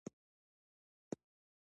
شورا څنګه جوړیږي؟